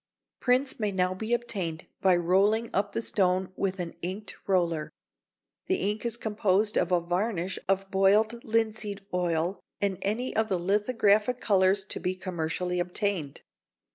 Prints may now be obtained by rolling up the stone with an inked roller. The ink is composed of a varnish of boiled linseed oil and any of the lithographic colours to be commercially obtained.